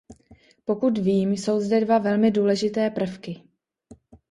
Pokud vím, jsou zde dva velmi důležité prvky.